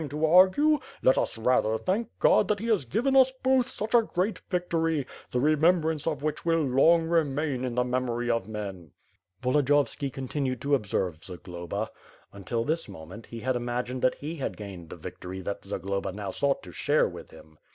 ^gg to argue. Let us, rather, thank God that he has given xl& both such a great victory, the remembrance of which will long remain in the memory of men." Voldiyovski continued to observe Zagloba. Until this mo ment, he had imagined that he had gained the victory that Zagloba now sought to share with him.